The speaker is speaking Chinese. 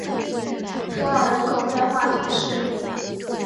普昂人口变化图示